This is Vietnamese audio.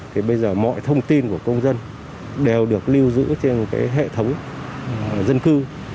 thì bây giờ mọi thông tin của công dân đều được lưu giữ trên hệ thống dân cư